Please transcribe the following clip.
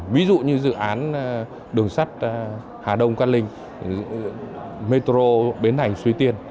ví dụ như dự án đường sắt hà đông ca linh metro bến thành xuy tiên